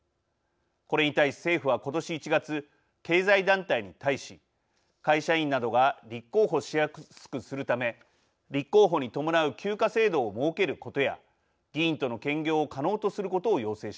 これに対し政府は今年１月経済団体に対し会社員などが立候補しやすくするため立候補に伴う休暇制度を設けることや議員との兼業を可能とすることを要請しました。